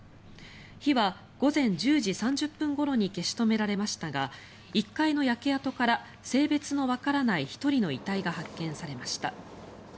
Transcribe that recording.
火は午前１０時３０分ごろに消し止められましたが１階の焼け跡から性別のわからない１人の遺体が発見されました。